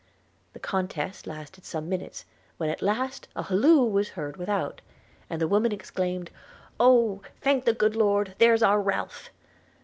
The contest lasted some minutes when at last an halloo was heard without, and the woman exclaimed, 'Oh! thank the good Lord, there's our Ralph.'